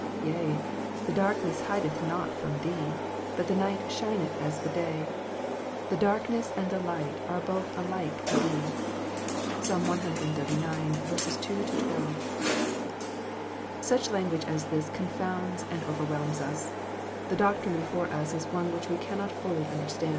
Yea, the dark ness hideth not from Thee ; but the night shineth as the day : the darkness and the light are both alike to Thee." (Psalm cxxxix. 2 12.) Such language as this confounds and overwhelms us. The doctrine before us is one which we cannot fully understand.